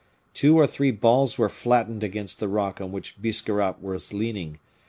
Two or three balls were flattened against the rock on which Biscarrat was leaning.